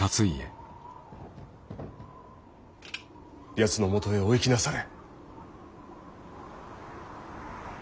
やつのもとへお行きなされ。